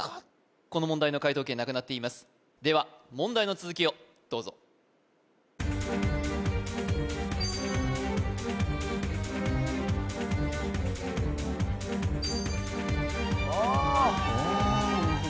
この問題の解答権なくなっていますでは問題の続きをどうぞ・ああええムズい